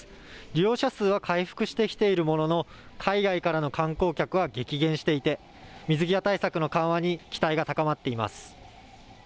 利用者数は回復してきているものの海外からの観光客は激減していて水際対策の緩和に期待が高まっています。